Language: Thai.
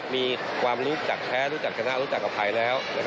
มีความรู้จักแพ้รู้จักชนะรู้จักกับภัยแล้ว